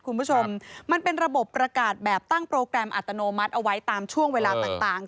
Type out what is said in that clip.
คุณผู้ชมมันเป็นระบบประกาศแบบตั้งโปรแกรมอัตโนมัติเอาไว้ตามช่วงเวลาต่าง